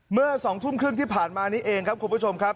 เมื่อ๒ทุ่มครึ่งที่ผ่านมานี้เองครับ